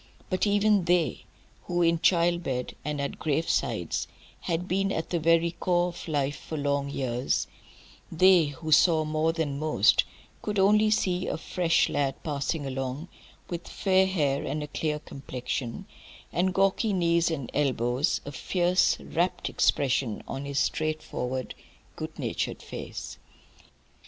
But even they, who in child bed and at gravesides had been at the very core of life for long years, they, who saw more than most, could only see a fresh lad passing along, with fair hair and a clear complexion, and gawky knees and elbows, a fierce, rapt expression on his straightforward, good natured face.